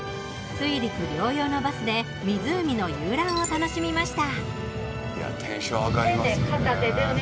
水陸両用のバスで湖の遊覧を楽しみました。